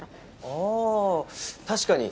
ああ確かに。